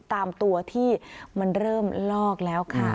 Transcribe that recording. ตามตัวที่มันเริ่มลอกแล้วค่ะ